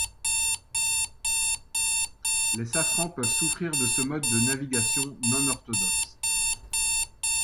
Les safrans peuvent souffrir de ce mode de navigation non orthodoxe.